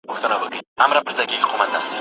زندان به نه وي بندیوان به نه وي